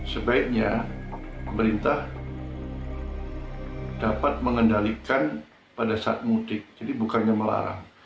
sebaiknya pemerintah dapat mengendalikan pada saat mudik jadi bukannya melarang